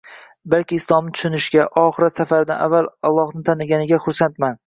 balki Islomni tushunganiga, oxirat safaridan avval Allohni taniganiga xursandman.